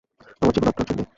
আমার জীবন আপনার জন্যই!